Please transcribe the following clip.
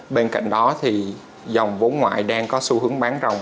bên cạnh đó thì dòng vốn ngoại đang có xu hướng bán rồng